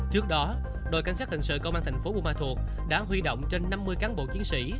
trước đó đội cảnh sát hình sự công an thành phố buôn ma thuột đã huy động trên năm mươi cán bộ chiến sĩ